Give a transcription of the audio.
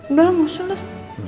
udah lah enggak usah lah